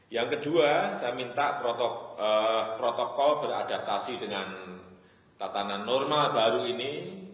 yang kedua saya minta protokol beradaptasi dengan tatanan normal baru ini